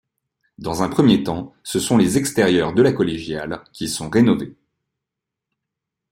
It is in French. Dans un premier temps, ce sont les extérieurs de la collégiale qui sont rénovés.